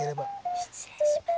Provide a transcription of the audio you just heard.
失礼します。